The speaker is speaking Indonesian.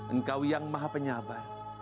engkau yang maha penyabar